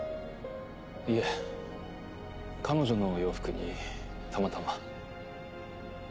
いえ彼女の洋服にたまたま。